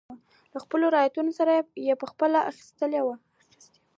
له خپلو رعیتو سره یې برخه اخیستې وای.